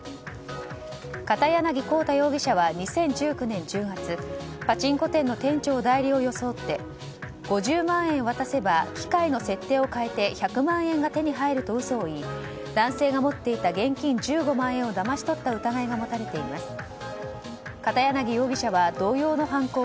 片柳浩太容疑者は２０１９年１０月パチンコ店の店長代理を装って５０万円渡せば機械の設定を変えて１００万円が手に入ると嘘を言い男性が持っていた現金１５万円をだまし取った疑いが持たれています。